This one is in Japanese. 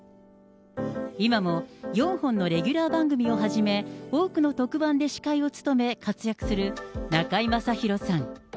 今も４本のレギュラー番組をはじめ、多くの特番で司会を務め、活躍する中居正広さん。